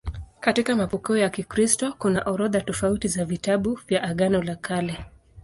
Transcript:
Katika mapokeo ya Kikristo kuna orodha tofauti za vitabu vya Agano la Kale.